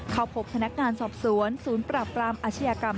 เข้าพบพนักงานสอบสวนศูนย์ปราบปรามอาชญากรรม